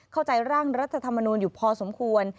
ร่างรัฐธรรมนูลอยู่พอสมควร